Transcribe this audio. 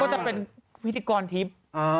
จะเป็นพิธีกรทิพย์